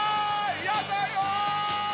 やだよ！